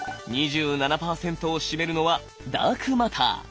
２７％を占めるのはダークマター。